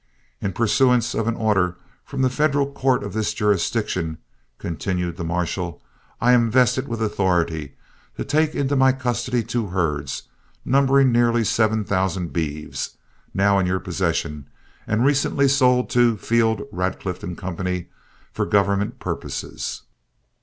"In pursuance of an order from the federal court of this jurisdiction," continued the marshal, "I am vested with authority to take into my custody two herds, numbering nearly seven thousand beeves, now in your possession, and recently sold to Field, Radcliff & Co. for government purposes.